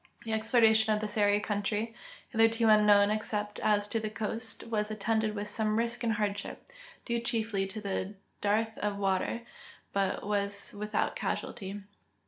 The exploration of the Seri country, hitherto unknown except as to the coast, was attended with some risk and hardship, due chiefly to dearth of water, but was with out casualty.